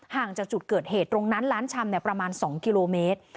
ห่างจากจุดเกิดเหตุตรงนั้นร้านชำประมาณ๒กิโลเมตร